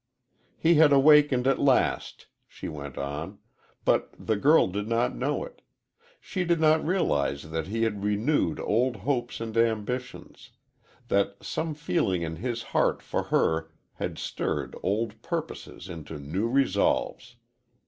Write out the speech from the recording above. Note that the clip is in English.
"He had awakened at last," she went on, "but the girl did not know it. She did not realize that he had renewed old hopes and ambitions; that some feeling in his heart for her had stirred old purposes into new resolves.